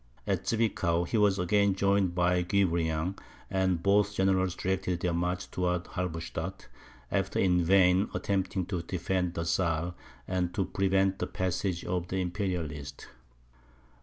At Zwickau he was again joined by Guebriant; and both generals directed their march towards Halberstadt, after in vain attempting to defend the Saal, and to prevent the passage of the Imperialists.